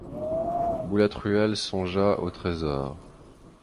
Boulatruelle songea au trésor.